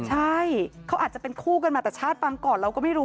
ใช่เขาอาจจะเป็นคู่กันมาแต่ชาติฟังก่อนเราก็ไม่รู้